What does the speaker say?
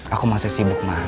aku masih sibuk ma